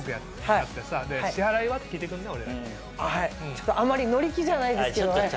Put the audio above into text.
ちょっとあんまり乗り気じゃないですけどね